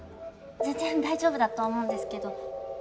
全然大丈夫だと思うんですけど。